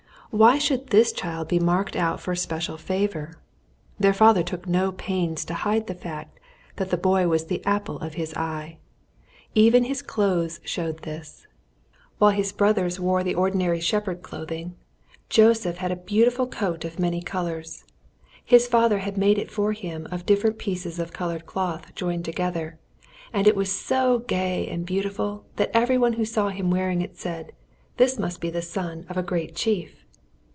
Why should this child be marked out for special favour? Their father took no pains to hide the fact that the boy was the apple of his eye. Even his clothes showed this. While the brothers wore the ordinary shepherd clothing, Joseph had a beautiful coat of many colours. His father had made it for him of different pieces of coloured cloth joined together, and it was so gay and beautiful that every one who saw him wearing it said, "This must be the son of a great chief!"